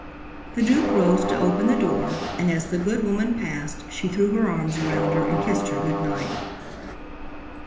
The Duke rose to open the door, and as the good woman passed she threw her arms around her and kissed her good night.